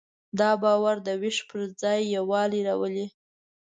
دا باور د وېش پر ځای یووالی راولي.